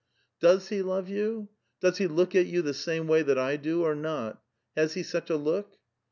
'" "Does he love you? does he look at you the same way that I do or not? has he such a look?